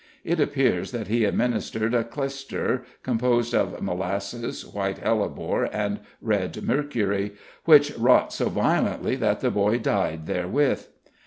It appears that he administered a clyster composed of molasses, white hellebore, and red mercury, "which wrought so violently that the boy died therewith."